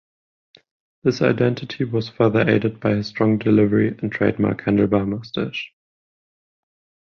This identity was further aided by his strong delivery and trademark handlebar moustache.